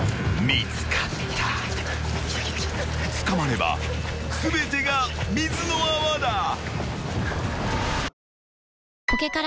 ［捕まれば全てが水の泡だ］